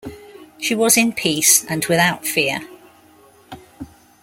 "She was in peace and without fear."